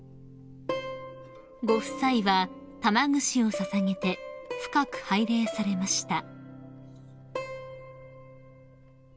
［ご夫妻は玉串を捧げて深く拝礼されました］